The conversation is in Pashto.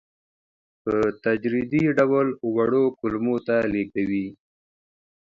په تدریجي ډول وړو کولمو ته لېږدوي.